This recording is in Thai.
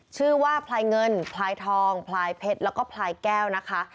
ชื่อว่าพลายเงินพลายทองพลายเพชรแล้วก็พลายแก้วนะคะ